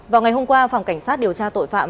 vào ngày hôm qua phòng cảnh sát điều tra tội phạm